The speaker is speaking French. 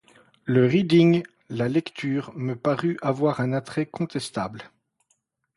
Le « reading », la lecture, me parut avoir un attrait contestable.